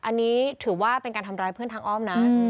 อันนี้ถือว่าเป็นการทำร้ายเพื่อนทางอ้อมนะ